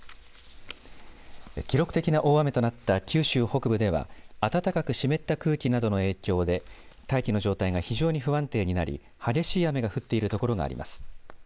記録的な大雨となった九州北部では暖かく湿った空気などの影響で大気の状態が非常に不安定になり激しい雨が降っているところがあります。